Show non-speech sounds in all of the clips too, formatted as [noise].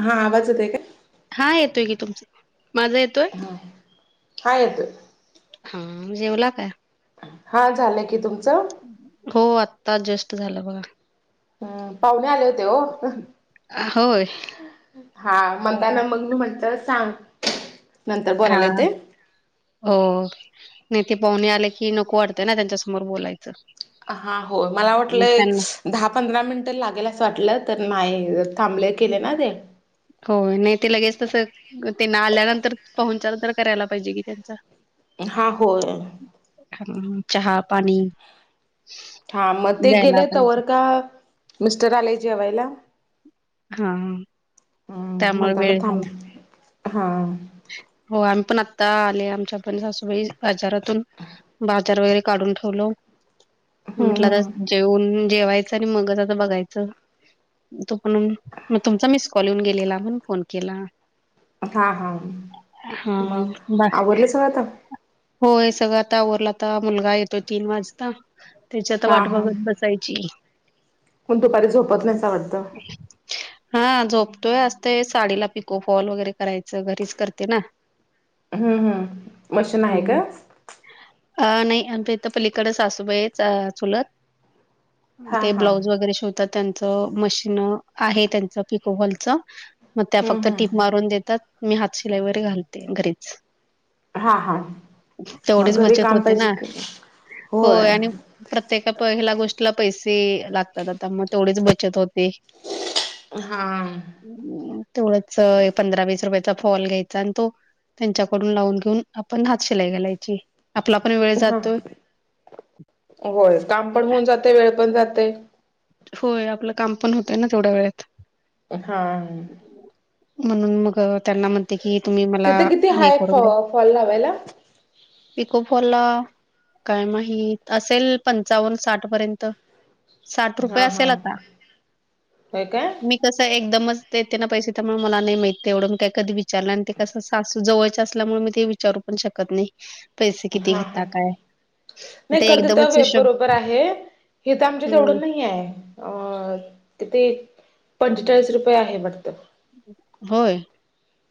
हा आवाज येतोय काय हा येतोय की तुमचं माझा येतोय हा येतोय हा जेवला काय हा झालंय की तुमचं हो आत्ता जस्ट झालं बघा हा पाहुणे आले होते हो होय हा म्हणताना मग मी म्हटलं सांग नंतर हा बोलायला येतंय हो नाई ते पाहुणे आले की नको वाटतय ना त्यांच्यासमोर बोलायचं हा होय मला मग वाटलं एक त्यांना दहा पंधरा मिनटं लागेल असं वाटलं तर नाही थांबले केले ना ते हो नाही ते लगेच तसं त्यांना आल्यानंतर पाहुणचार तर करायला पाहिजे कि त्यांचा हा होय चहा पाणी हा म ते द्यायला गेले पाहिजे तवर का मिस्टर आले जेवायला हा ह त्यामुळे म्हणताना वेळ झाला थांबलो मी हा हो आम्ही पण आता आले आमच्या पण सासूबाई बाजारातून बाजार वगैरे काढून ठेवलो म्हटलं हम्म आता हम्म जेवून जेवायचं आणि मगच आता बघायचं तो पणून मग तुमचा मिस कॉल येऊन गेलेला म्हणून फोन केला [inaudible] हां हा, हा मग बा आवरलं सगळ आता? होय, सगळं आता आवरलं. आता मुलगा येतो तीन वाजता, त्याची आता हा वाट बघत बस. असायची. कोण दुपारी झोपत नाहीसा वाटतं [inaudible] हा, झोपतोय. असते साडीला पिको फॉल वगैरे करायचं, घरीच करते ना? हम्म, हम्म. मशीन आहे का? हं. अ नाही आ त इथं पलीकडे सासूबाच चुलत [inaudible] हा ते हा ब्लाऊज वगैरे शिवतात, त्यांचं मशीन आहे, त्यांचं पिको फॉलच. मग त्या हम्म फक्त टीप हम्म मारून देतात. मी हात शिलाई वगैरे घालते, घरीच. हा हा हो तेवढीच घरी बचत काम होते पाहिजे ना? की होय, आणि. प्रत्येका पहिल्या गोष्टीला पैसे लागतात आता, मग तेवढीच बचत होती. हा. तेवढंच, पंधरा वीस रुपये. फॉल घ्यायचा, आणि तो त्यांच्याकडून लावून घेऊन, आपण हात शिलाई घालायची. आपला पण वेळ. हा, जातोय होय, काम पण होऊन जाते, वेळ पण जाते. होय, आपलं काम पण होतय ना, तेवढ्या वेळेत. हा. म्हणून मग त्यांना म्हणते की, तुम्ही मला तिथे किती हे हाय करून फॉ द्या. फॉल लावायला पिको फॉल ला. काय माहीत, असेल पंचावन्न-सात पर्यंत, साठ. रुपये हा हा असेल आता होय काय [inaudible] तसं एकदमच देते ना पैसे, त्यामुळे मला नाही माहितते एवढं. म काय कधी विचारलं, आणि ते कसं सासू जवळ? ल्यामुळे मी ते विचारू पण शकत नाही, पैसे किती हा हा घेता काय? नाही ते खर एकदमच तिथं [inaudible] हिशोब बरोबर आहे हे तर आमच्या हं, तेवढून नाही आहे अ, तित पंचेचाळीस रुपये आहे, वाटतं. [inaudible] होय.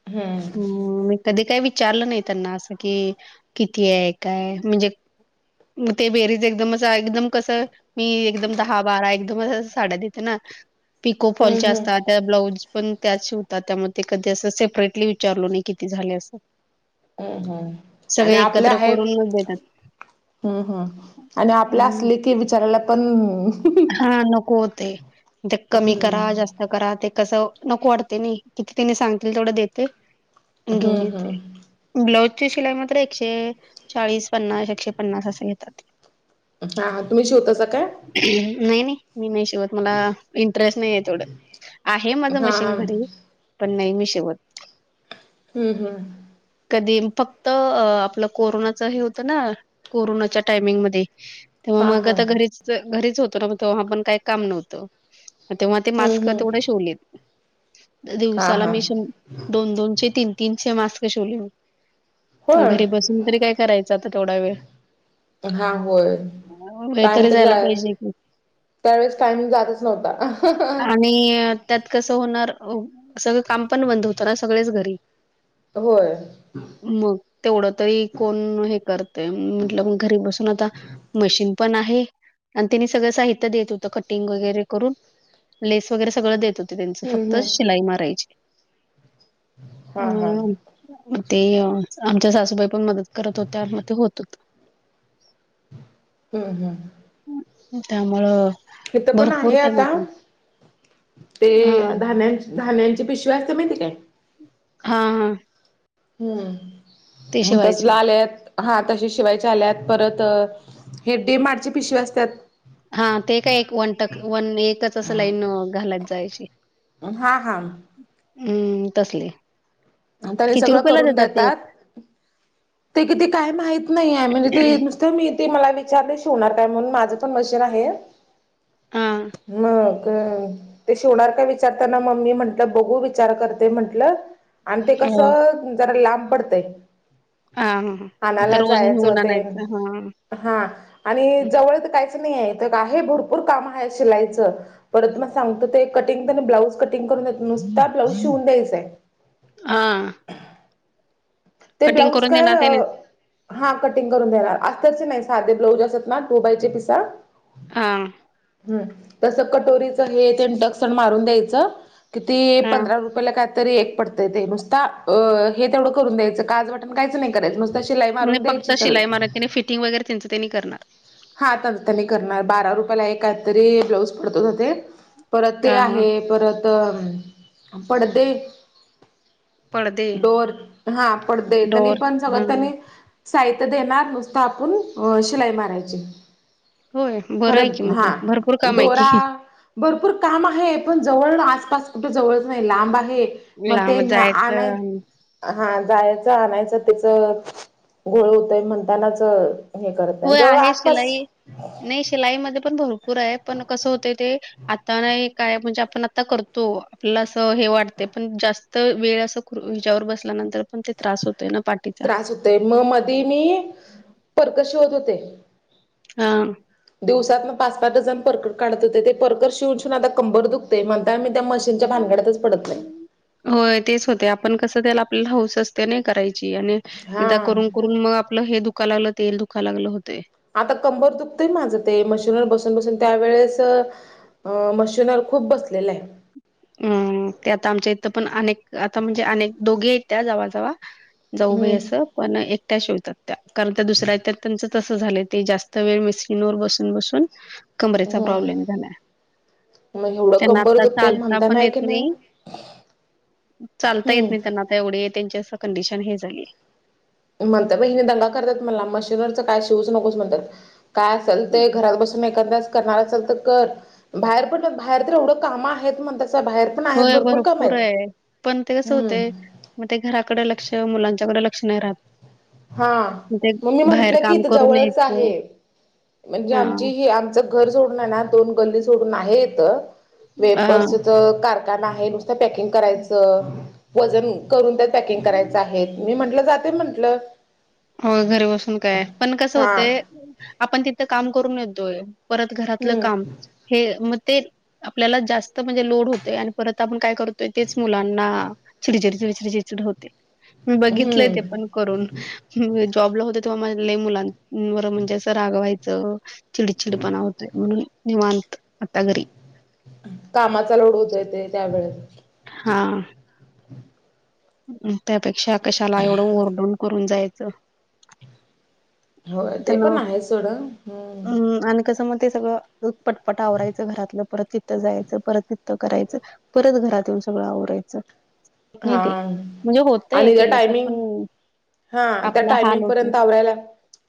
हम्म हम्म, मी कधी काही विचारलं नाही त्यांना, असं कि किती आहे काय म्हणजे. ग ते बेरीज एकदम असं एकदम कसं [inaudible] मी एकदम दहा बारा, एकदमच साड्या देते ना. पिको हम्म फॉलच्या हम्म असतात त्या, ब्लाउज पण त्या होतात त्यामध्ये. कधी असं सेपरेटली? विचारलो नाही किती झाले असं [inaudible] अम हम आणि सगळे आपले एकत्र आहे [inaudible] करूनच देतात. हम्म, हम्, आणि आपल्या हं. असले की विचारायला पण. हा नकोते ते कमी हम्म करा जास्त [inaudible] करा, ते कसं? नको वाटते नाही, किती तिने सांगतील, तेवढं देते. हम्म घेऊन येते हम्म [inaudible] ब्लाऊज ची शिलाई मात्र एकशे चाळीस, पन्नास, एकशे पन्नास असे घेतात. हा हा तुम्ही शेवतासा काय [inaudible] नाही, नाही. मी नाही शिवत. मला इंटरेस्ट नाही आहे तेवढं, आहे माझं हा मशीन हा घरी. हम्म पण नाही, मी शिवत. हम् हम्म. कधी फक्त आपलं कोरोनाच हे होतं ना कोरोनाच्या टायमिंगमध्येध्ये [inaudible] तेव्हा हा मग हा आता घरीच-घरीच होतो ना मग तेव्हा पण काही काम नव्हतं. तेव्हा ते हम्म मास्क हम्म तेवढं शिवलेत हा दिवसाला हा मी शं, दोन चे, तीन-तीनशे मास्क शिवले. होय घरी बसून तरी काय करायचं आता तेवढा वेळ. हा होय, वेळ टाईम तरी तर जायला जाईल. पाहिजे की त्यावेळेस टाईम जातच नव्हता. आणि त्यात कसं होणार सगळं काम पण बंद होतं ना सगळेच घरी. होय. मग तेवढं तरी कोण हे करते म्हटलं मग घरी बसून आता मशीन पण आहे आणि त्यांनी सगळं साहित्य देत होत कटिंग वगैरे करून. लेस वगैरे सगळं देत होते त्यांच हम्म फक्त हम्म शिलाई मारायची. हा हा हम्म म ते आमच्या सासूबाई पण मदत करत होत्या म ते होत होतं. हम् हम्. ह त्यामूळ इथं पण आहे आता ते हां, धाण्याची धान्यांची पिशवी असते माहिती आहे काय? हा हा. हम्म, म शिवायचे. तसलं आलेत. हा तसे शिवायच्या आल्यात परत हे डी-मार्टची पिशवी असतात. हा ते काय एक वन टक, वन एकच असं लाईन घालत जायची. हा हा. हम्म तसले आता हे किती सगळं रुपयाला करून ते देतात एक? ते किती काय माहीत नाहीये म्हणजे ते तर मी ते मला विचारले शिवणार काय म्हणून माझं पण मशीन आहे. हां, मग का ते शिवणार का विचारताना मग मी म्हटलं बघू विचार करते म्हंटलं. आणि ते हो. कसं जरा लांब पडतंय. आणायला जायचं ते [unintelligible] हा आणि जवळ काहीच नाहीये तर आहे भरपूर काम आहे शिलाईचं परत मग सांगतो ते कटिंग तर ब्लाउज कटिंग करून येत हा. ते ब्लाऊज काय देणार त्याने. अ हा कटिंग करून देणार अस्तरचे नाही साधे ब्लाऊज असतात ना टुबाईचे पिसं हाम. हम तस कटोरीच हे ते इंडक्शन मारून द्यायचं किती हां. पंधरा रुप रूपयला कायतरी एक पडतंय ते नुसता अ हे तेवढं करून द्यायचं काज बटण काहीच नाही करायचं नुस त शीलाई मारून द्यायची सगळी. त्यांनी फिटिंग वगैरे त्यांचं त्यांनी करणार. हा तन तनी करणार बारा रुपयाला एक काय तरी ब्लाऊज पडतो ना ते. परत ते हां, हां. आहे परत पडदे पडदे, डोर हा पडदे त्यांनी डोअर. पण सगळं हां. त्यांनी साहित्य देणार नुसतं आपण अ शिलाई मारायची. होय, बरं खरं आहे की द मग ते. हा, भरपूर काम आहे दोरा की. भरपूर काम आहे पण जवळ आसपास कुठे जवळच नाही लांब आहे. मग ते लांब आणाय जायचं. हा जायचं आणायचं तिच घोळ होतय. म्हणतानाच हे करत. होय, जवळ आहे आसपास शिलाई. नाही शिलाईमध्ये पण भरपूर आहे पण कसं होते ते आता नाही काय म्हणजे आपण आता करतो आपल्याला असं हे वाटतेय पण जास्त तर वेळ असं हेच्यावर बसल्यानंतर पण ते त्रास होतय ना पाठीत. त्रास होतेय. मग मधी मी परकर शीवत होते. हा. दिवसात न पाच -पाच डजण परकर काढत होते ते परकर शिवून शिवून आता कंबर दुखतय म्हणतान आता मी त्या मशीनच्या भानगडतच पडतय. होय तेच होतय. आपण कसं त्याला आपल्याला हौस असते नाही करायची. आणि हा एकदा करून करून मग आपलं हे दुखा लागलं तेल दुखा लागलं होतंय. आता कंबर दुखतंय माझं ते मशीनवर बसून -बसून त्यावेेळेस मशीनर खूप बसलेल आहे. अम्म ते आता आमच्या इथं पण अनेक आता म्हणजे अनेक दोघे आहेत त्या जावा - जावा. जाऊबाई हम्म असं. पण एकट्या शिवत्यात त्या. कारण त्या दुसऱ्या येत त्यांचं तसं झालं ते जास्त वेळ मशीन वर बसून -बसून. कमरेचा प्रॉब्लेम हम्म झालाय. मग एवढं त्यांना कंबर आता दुखतय चाल ता म्हणता पण येत की नाही. चालता हम्म येत नाही त्यांना एवढे त्यांची असं कंडिशन हे झालीय. म्हणत्या ब हेनी दंगा करतात मला. मशीनवरच काय शिवूच नकोस म्हणत्यात. काय असल ते घरात बसून एखाद्याचं करणार असल तर कर. बाहेर पड बाहेर तर एवढं काम आहेत म्हणतासा बाहेर पण आहेत होय काम भरपूर आहेत. आहे. पण ते कसं हम्म होतय? मग ते घराकडे लक्ष मुलांच्याकड लक्ष नाही राहत. हा ते मग मी बाहेर म्हंटलं की काम इथ करून जवळच यायचं आहे. म्हणजे आमची ही आमचं घर सोडून हाय ना? दोन गल्ली सोडून आहे इथ. हा वेफर्स च कारखाना आहे नुसत पॅकिंग करायचं. वजन करून त्यात पॅकिंग करायचं आहेत. मी म्हंटलं जाते म्हटलं. होय घरी बसून काय? पण कसं हा होतय. आपण तिथं काम करून येतोय. परत घरातलं हम्म काम. हे मग ते आपल्याला जास्त त म्हणजे लोड होतय. आणि परत आपण काय करतोय तेच मुलांना चिडचिडचिड होत. मी बघितलंय हम्म. ते पण करून. जॉबला होते तेव्हा म लय मुलांवर म्हणजे असं रागवायचं चिडचिडपणा होतय. म्हणून निवांत आता घरी. कामाचा लोड होतोय ते त्यावेेळेत. हा. म त्यापेक्षा कशाला एवढं ओरडून करून जायाचं. होय ते त्यांना पण आहे सोडं. हम्म. कस म ते सगळं पटपट आवरायचं घरातलं परत तिथं जायचं परत त करायचं परत घरात येऊन सगळं आवरायचं. हा निती म्हणजे होतय आणि त्या केलं तर टायमिंग पण हा त्या आपला हाल टायमिंग होतो पर्यंत आवरायला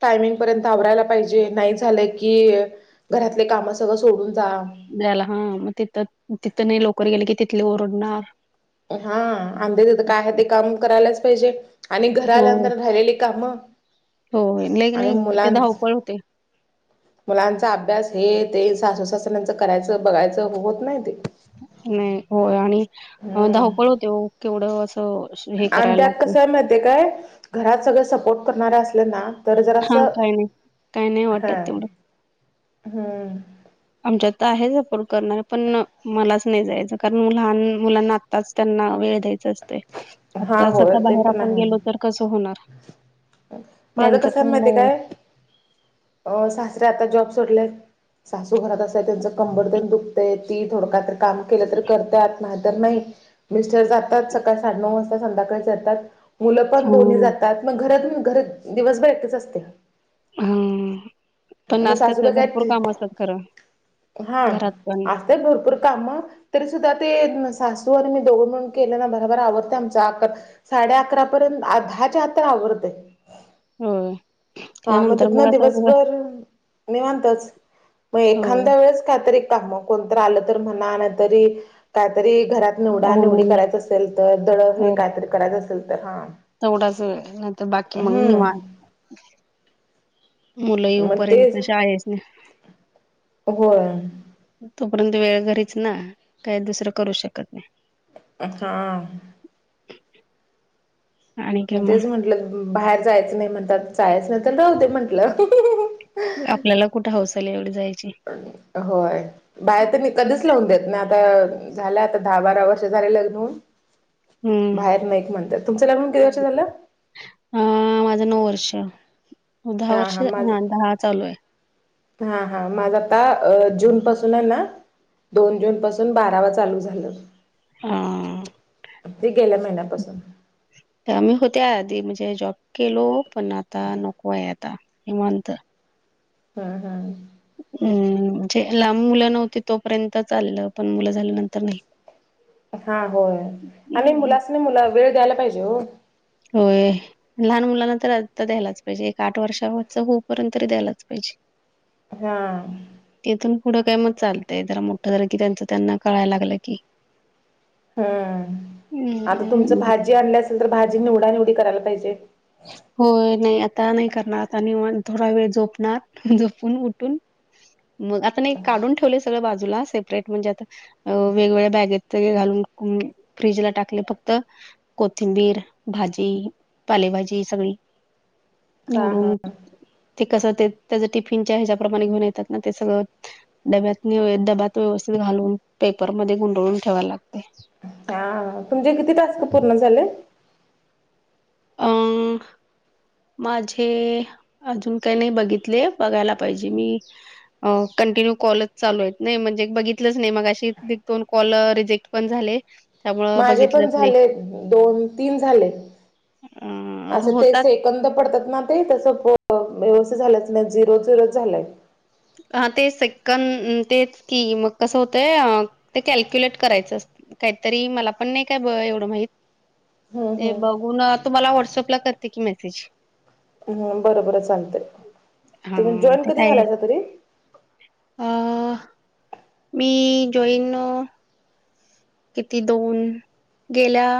टायमिंग पर्यंत आवरायला पाहिजे. नाही झालं की घरातले काम सगळं सोडून जा. द्यायला. हा मग तिथं तिथं नाही लवकर गेल की तिथले ओरडणार. हा आंधी तिथ काय आहे ते काम करायलाच पाहिजे आणि घरालांतर राहिलेली घरेली कामं हो क आणि नाही ते मुलां धावपळ होते. मुलांचा अभ्यास हे ते सासू सासऱ्यांच करायचं बघायचं होत नाही ते नाही होय आणि हम्म धावपळ हो केवढं असं. हे आणि करायला त्यात कस लागतं आहे माहित काय घरात सगळे सपोर्ट करणारे असलं ना तर हा जरासं काय नाही काय नाही हा वाटत तेवढं हम्म. आमच्यात तर आहे सपोर्ट करणार पण मलाच नाही जायचं कारण लहान मुलांना आताच त्यांना वेळ द्यायच असते हा आताच होय आता ते बाहेर पण आपण आहे गेलो तर कसं होणार माझं त्यांच कसं आहे पण माहिती बघ आहे काय. [unintelligible] अ सासरे आता जॉब सोडले सासू घरात असत त्यांचं कंबरलय दुखते ती थोड काही तरी. काम केलं तर करत्यात नाही तर नाही मिस्टर जातात सकाळी. नऊ वाजता संध्याकाळी जातात मुलं पण दोन्हीं हो. जातात त्यात मग घरात घर दिवसभर एकटीच असते. हम्म. पण मग नाशत्यात सासूबाई भरपूर काय काम असतात खरं हा घरात पण. असतात भरपूर काम तरी सुद्धा ते सासू आणि मी दोघन म्हणून केले ना ब र आवडते आमचा अक साडे अकरा पर्यंत दहाच्या आत आवरडते. होय हा मग त्यानंतर तत ना असं दिवसभर निवानतच. मग हो एखाद्या वेळेस काहीतरी काम कोणत आलं तर म्हणा नाही तरी काहीतरी घरात निवडा निवडी पाहुणे करायचं असल तर दड हे तर काहीतरी करायचं असेल तर हा तेवढाच वेळ नाहीतर बाकी मग हम्म निवांत मुलं मग येऊपर्यंत तेच शाळेच नाही. होय तोपर्यंत वेळ घरीच ना काही दुसरं करू शकत नाही. आ हा.. आणि काय मग तेच म्हंटलं बाहेर जायचं नाही म्हणतात जायच नाही तर राहते म्हंटलं आपल्याला कुठे हाऊस आली एवढी जायची. होय. बाहेर त्यांनी कधीच लावून देत नाही आता झालं आता दहा बारा वर्ष झाले लग्न हून. हम्म बाहेर नाहीच म्हणतात. तुमचा लग्नला किती वर्ष झालं? हा माझं नऊ वर्ष दहा वर्ष हा दहा चालू आहे. हा हा माझ आता जूनपसून दोन जून पासून बारावा चालू झालं हां, ते गेल्या महिन्यापासून. आम्ही होत्या आधी म्हणजे जॉब केलो पण आता नको यात.. आता निवांत. हा हा. हम्म जे लांब मुलं नव्हती तोपर्यंत चाललं पण मुलं झाल्या नंतर नाही हा होय आणि हं, मुलाच नाही मुला वेळ द्यायला पाहिजे हो होय. लहान मुलांना तर आता द्यायलाच पाहिजे एक आठ वर्षाच होऊपर्यंत तरी द्यायलाच पाहिजे हा. तथून पुढं काय मत चालतय जरा मोठं जर कि त्यांच त्यांना कळायला लागलं की हम्म आता तुमच अं, भाजी आणली असेल तर भाजी निवडा निवडी करायला पाहिजे. हो, नाही आता नाही करणार. आता थोडा वेळ झोपणार. झोपून, उठून मग आता नाही काढून ठेवलेय सगळं बाजूला, सेपरेट म्हणजे आता अं वेगवेगळ्या बॅगेत सगळं घालून, फ्रीजला टाकले फक्त कोथिंबीर, भाजी, पालेभाजी सगळी हा हा निवडून ते कसं? ते त्याच टिफिनच्या ह्याच्याप्रमाणे घेऊन येतात ना, ते सगळं डब्यात डब्यात व्यवस्थित घालून, पेपरमध्ये गुंडळून ठेवाय लागतय. हा, तुमचे किती टास्क पूर्ण झाले? अं. माझे अजून काही नाही बघितले, बघायला पाहिजे. मी कंटिन्यू कॉलच चालू आहेत नाही, म्हणजे बघितलंच नाही. मगाशी एक, दोन कॉल रिजेक्ट पण झाले. त्यामुळं माझे पण बघितलंच नाही. झाले दोन, तीन झाले. अ असं तेच होतात से कंद पडतात ना ते. तस व्यवस्थित झालंच नाही, झिरो झिरो झालय. हा, ते सेकं तेच की मग कसं होतंय, ते कॅलक्युलेट करायचं असत काहीतरी मला पण नाही काय ब एवढं माहित. हम्म ते हम्म बघून, तुम्हाला व्हॉट्सअपला करते की मेसेज. हम्म, बरं बरं चालतय. हा तुम्ही जॉईन कधी झालाय तरी? अं मी जॉईन? किती दोन गेल्या